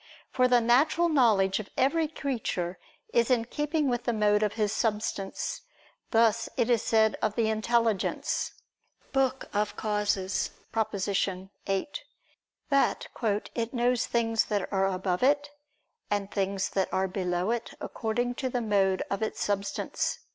For the natural knowledge of every creature is in keeping with the mode of his substance: thus it is said of the intelligence (De Causis; Prop. viii) that "it knows things that are above it, and things that are below it, according to the mode of its substance."